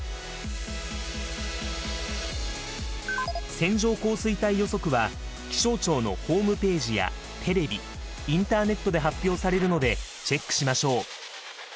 線状降水帯予測は気象庁のホームページやテレビインターネットで発表されるのでチェックしましょう。